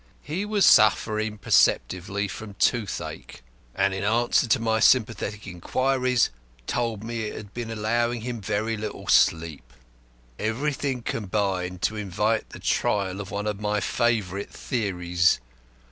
He was suffering perceptibly from toothache, and in answer to my sympathetic inquiries told me it had been allowing him very little sleep. Everything combined to invite the trial of one of my favourite theories.